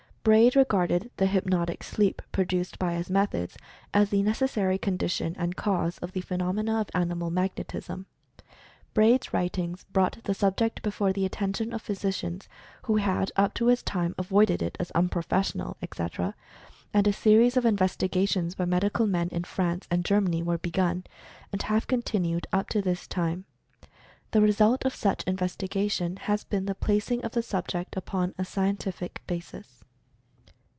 Braid regarded the "hyp notic sleep" produced by his methods, as the necessary condition and cause of the phenomena of "animal magnetism." Braid's writings brought the subject be fore the attention of physicians, who had up to his time avoided it as "unprofessional," etc., and a series of investigations by medical men in France and Ger many were begun, and have continued up to this time. The result of such investigation has been the placing of the subject upon a "scientific" basis.